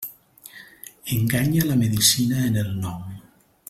Enganya la medicina en el nom.